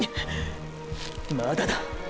まだだ！